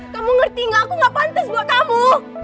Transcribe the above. kamu ngerti gak aku gak pantas buat kamu